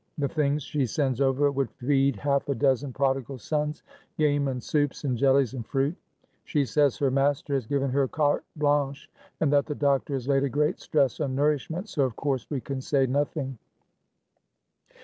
The things she sends over would feed half a dozen prodigal sons, game and soups, and jellies and fruit. She says her master has given her carte blanche, and that the doctor has laid a great stress on nourishment, so of course we can say nothing."